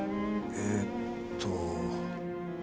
えーっと